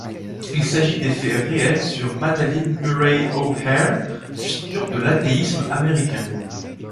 Il s’agit des faits réels sur Madalyn Murray O'Hair, figure de l'athéisme américain.